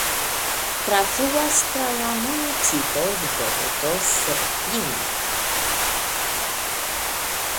Trafluas tra la municipo rivereto Srpina.